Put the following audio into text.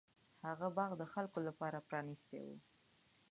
هغه باغ د خلکو لپاره پرانیستی و.